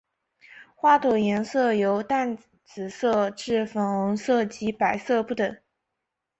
花朵颜色由淡紫色至粉红色及白色不等。